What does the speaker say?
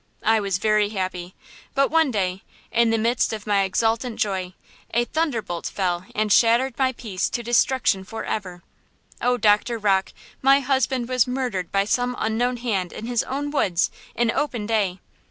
I was very happy. But one day, in the midst of my exultant joy, a thunderbolt fell and shattered my peace to destruction forever! Oh, Doctor Rocke, my husband was murdered by some unknown hand in his own woods, in open day!